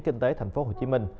kinh tế tp hcm